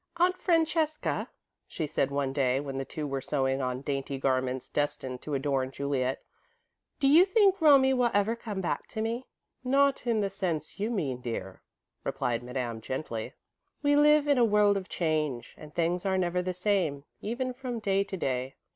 "Aunt Francesca," she said, one day, when the two were sewing on dainty garments destined to adorn Juliet, "do you think Romie will ever come back to me?" "Not in the sense you mean, dear," replied Madame, gently. "We live in a world of change and things are never the same, even from day to day."